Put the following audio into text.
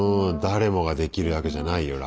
誰もができる役じゃないよ